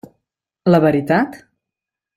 La veritat?